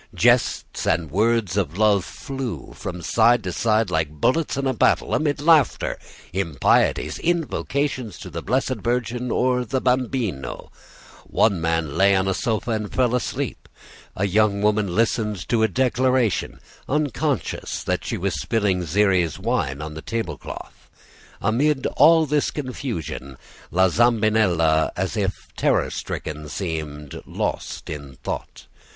Jests and words of love flew from side to side like bullets in a battle, amid laughter, impieties, invocations to the Blessed Virgin or the Bambino. One man lay on a sofa and fell asleep. A young woman listened to a declaration, unconscious that she was spilling Xeres wine on the tablecloth. Amid all this confusion La Zambinella, as if terror stricken, seemed lost in thought.